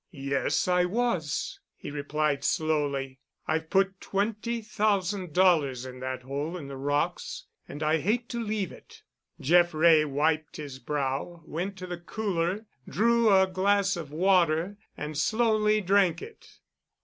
"Yes, I was," he replied slowly. "I've put twenty thousand dollars in that hole in the rocks, and I hate to leave it." Jeff Wray wiped his brow, went to the cooler, drew a glass of water, and slowly drank it.